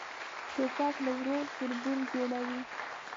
توپک له ورور تربور جوړوي.